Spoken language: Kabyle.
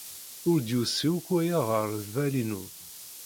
Ur d-yusi akk waya ɣer lbal-inu.